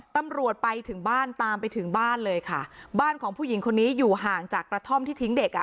ตำรวจไปถึงบ้านตามไปถึงบ้านเลยค่ะบ้านของผู้หญิงคนนี้อยู่ห่างจากกระท่อมที่ทิ้งเด็กอ่ะ